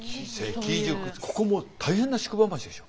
ここも大変な宿場町でしょ？